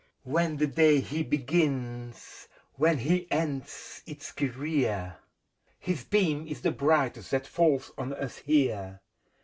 When the day he begins, when he ends its career. His beam is the brightest that falls on us here.